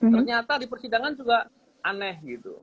ternyata di persidangan juga aneh gitu